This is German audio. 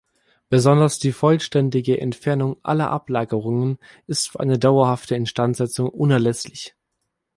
Besonders die vollständige Entfernung aller Ablagerungen ist für eine dauerhafte Instandsetzung unerlässlich.